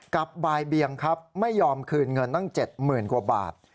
บ่ายเบียงครับไม่ยอมคืนเงินตั้ง๗๐๐๐กว่าบาท